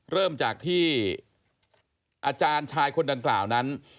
เริ่มจากที่อาจารย์ชายคนดังกล่าวนั้น